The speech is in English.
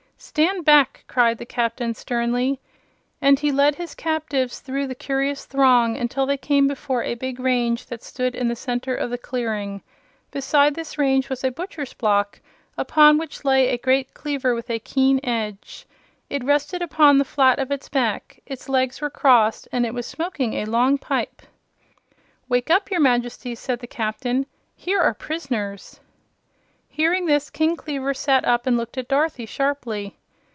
"Stand back!" cried the Captain, sternly, and he led his captives through the curious throng until they came before a big range that stood in the center of the clearing. Beside this range was a butcher block upon which lay a great cleaver with a keen edge. It rested upon the flat of its back, its legs were crossed and it was smoking a long pipe. "Wake up, your Majesty," said the Captain. "Here are prisoners." Hearing this, King Kleaver sat up and looked at Dorothy sharply.